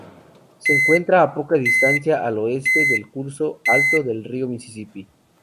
Se encuentra a poca distancia al oeste del curso alto del río Misisipi.